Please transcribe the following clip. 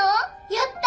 やった。